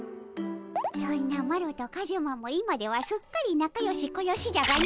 そんなマロとカジュマも今ではすっかりなかよしこよしじゃがの。